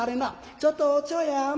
ちょっとおちょやん。